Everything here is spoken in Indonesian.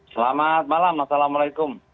selamat malam assalamualaikum